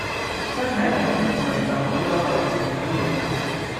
真係頂唔順就倒咗佢，唔緊要